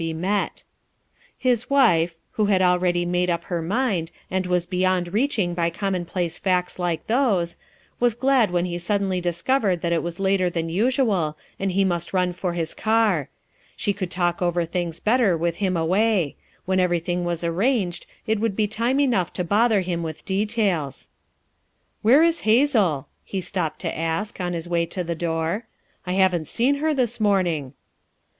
46 FOUE MOTHERS AT CHAUTAUQUA His wife, who bad already made up her mind, and was beyond reaching by common place facts like those, was glad when he sud denly discovered that it was later than usual and he must run for his car; she could talk over things better with him away ; when everything was arranged, it would be time enough to bother him with details. " Where is Hazel!" he stopped to ask, on his way to the door. "I haven't seen her this morning?"